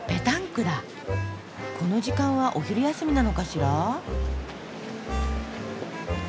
この時間はお昼休みなのかしら？